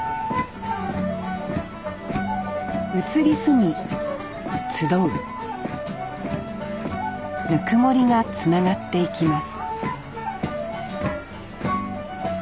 移り住み集うぬくもりがつながっていきます